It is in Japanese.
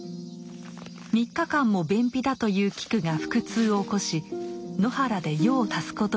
３日間も便秘だというキクが腹痛を起こし野原で用を足すことになりました。